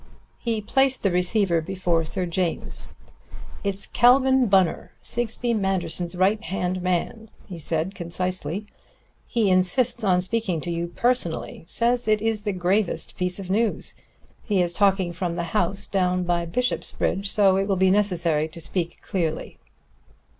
He placed the receiver before Sir James. "It's Calvin Bunner, Sigsbee Manderson's right hand man," he said concisely. "He insists on speaking to you personally. Says it is the gravest piece of news. He is talking from the house down by Bishopsbridge, so it will be necessary to speak clearly."